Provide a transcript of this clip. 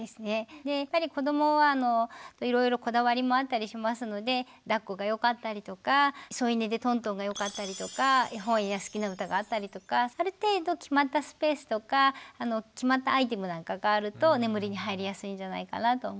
やっぱり子どもはいろいろこだわりもあったりしますのでだっこが良かったりとか添い寝でトントンが良かったりとか絵本や好きな歌があったりとかある程度決まったスペースとか決まったアイテムなんかがあると眠りに入りやすいんじゃないかなと思います。